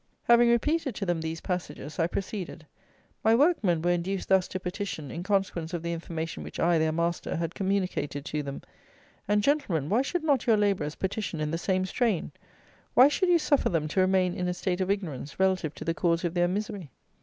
Having repeated to them these passages, I proceeded: "My workmen were induced thus to petition in consequence of the information which I, their master, had communicated to them; and, Gentlemen, why should not your labourers petition in the same strain? Why should you suffer them to remain in a state of ignorance relative to the cause of their misery?